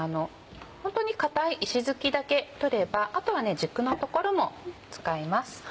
ホントに硬い石づきだけ取ればあとは軸の所も使います。